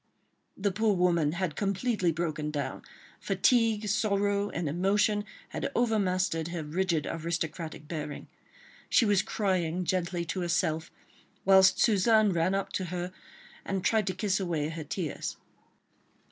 ..." The poor woman had completely broken down; fatigue, sorrow and emotion had overmastered her rigid, aristocratic bearing. She was crying gently to herself, whilst Suzanne ran up to her and tried to kiss away her tears.